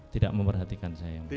tidak memerhatikan saya yang mulia